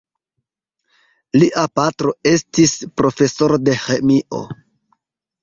Lia patro estis profesoro de ĥemio.